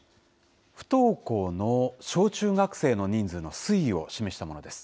不登校の小中学生の人数の推移を示したものです。